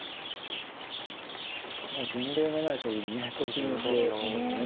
もう前例のない将棋にね突入してますね。